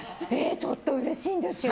ちょっと、うれしいんですけど。